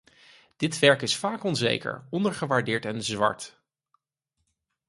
Dit werk is vaak onzeker, ondergewaardeerd en zwart.